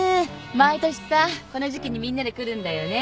毎年さこの時季にみんなで来るんだよね。